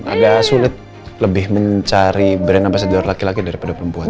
agak sulit lebih mencari brand ambasador laki laki daripada perempuan